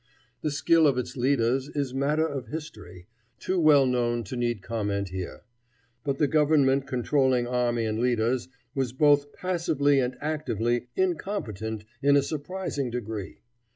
The skill of its leaders is matter of history, too well known to need comment here. But the government controlling army and leaders was both passively and actively incompetent in a surprising degree.